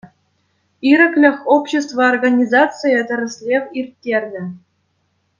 «Ирӗклӗх» общество организацийӗ тӗрӗслев ирттернӗ.